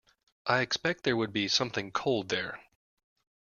I expect there would be something cold there.